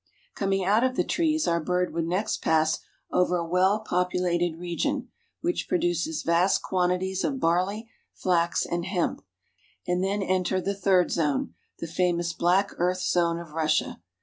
Coming out of tha trees our bird would next pass over a well populated region which produces vast quantities of barley, flax, and hemp, and then enter the third zone, the famous black earth zone of Russia.